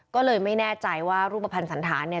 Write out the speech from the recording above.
ก็เลยไม่แน่ใจว่ารูปภัณฑ์สันธารเนี่ย